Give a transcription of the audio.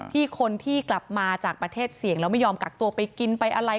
คนที่กลับมาจากประเทศเสี่ยงแล้วไม่ยอมกักตัวไปกินไปอะไร